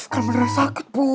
kamu beneran sakit bu